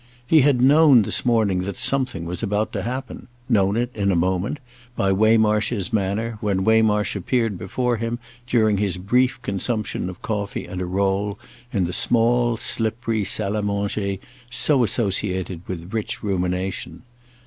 He had known this morning that something was about to happen—known it, in a moment, by Waymarsh's manner when Waymarsh appeared before him during his brief consumption of coffee and a roll in the small slippery salle à manger so associated with rich rumination.